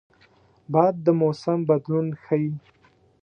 باد د موسم بدلون ښيي